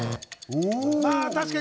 確かに。